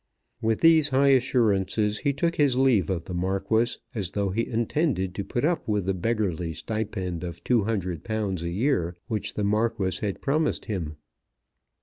With these high assurances he took his leave of the Marquis as though he intended to put up with the beggarly stipend of £200 a year which the Marquis had promised him.